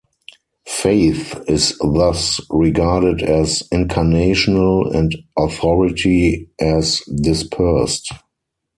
Faith is thus regarded as incarnational and authority as dispersed.